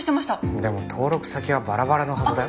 でも登録先はバラバラのはずだよ。